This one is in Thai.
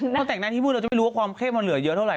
ถ้าแต่งหน้าที่พูดเราจะไม่รู้ว่าความเข้มมันเหลือเยอะเท่าไห